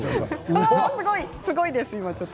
すごいです。